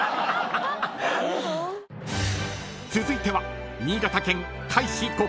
［続いては］